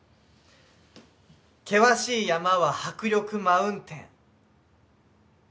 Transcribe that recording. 険しい山は迫力マウンテン。